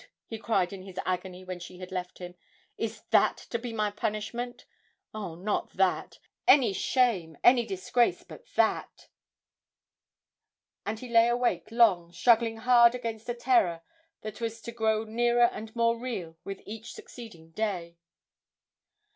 he cried in his agony when she had left him, 'is that to be my punishment? Oh, not that any shame, any disgrace but that!' And he lay awake long, struggling hard against a terror that was to grow nearer and more real with each succeeding day.